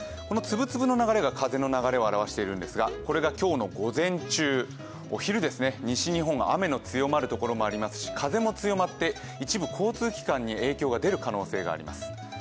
この粒々の流れが風の流れを表しているんですがこれが今日の午前中、お昼ですね、西日本雨の強まるところもありますし、風も強まって一部交通機関に影響が出る可能性があります。